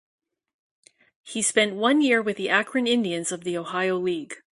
He spent one year with the Akron Indians of the Ohio League.